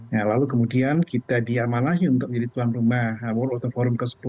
nah lalu kemudian kita diarmanasi untuk menjadi tuan rumah world forum ke sepuluh